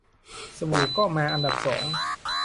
สบู่ก็มาอันดับสอง